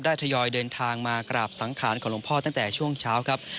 ทยอยเดินทางมากราบสังขารของหลวงพ่อตั้งแต่ช่วงเช้าครับ